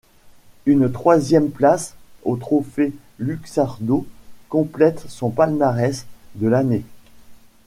Une troisième place au Trophée Luxardo complète son palmarès de l'année.